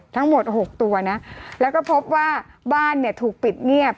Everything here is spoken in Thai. ทั้งหมดหกตัวนะแล้วก็พบว่าบ้านเนี่ยถูกปิดเงียบ